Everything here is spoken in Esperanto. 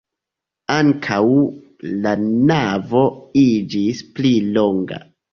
Ankaŭ la navo iĝis pli longa.